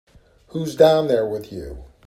Who's down there with you?